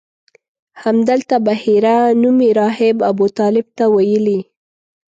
همدلته بحیره نومي راهب ابوطالب ته ویلي.